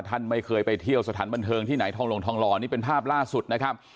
ท่านไม่เคยไปเที่ยวสถานบันเทิงที่ไหนทองลงทองหล่อนี่เป็นภาพล่าสุดนะครับ